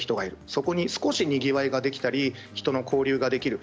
そこに少しにぎわいができたり人の交流ができる。